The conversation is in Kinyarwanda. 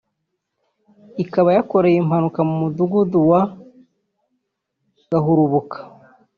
ikaba yakoreye impanuka mu Mudugudu wa Gahurubuka